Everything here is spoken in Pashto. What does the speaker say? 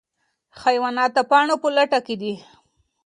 حیوانات د پاڼو په لټه کې دي.